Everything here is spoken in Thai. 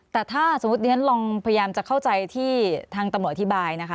แต่ถ้าสมมุติเรียนลองพยายามจะเข้าใจที่ทางตำรวจอธิบายนะคะ